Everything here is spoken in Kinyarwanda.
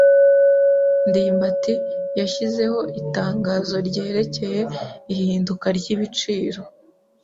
ndimbati yashyizeho itangazo ryerekeye ihinduka ryibiciro.